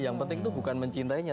yang penting itu bukan mencintainya